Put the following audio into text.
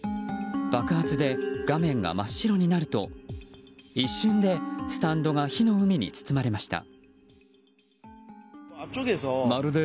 爆発で画面が真っ白になると一瞬でスタンドが火の海に包まれました。